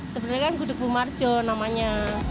sebenarnya kan gudeg bumarjo namanya